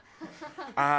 ああ。